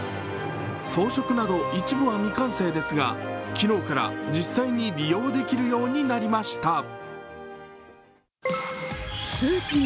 装飾など一部は未完成ですが昨日から実際に利用できるようになりました。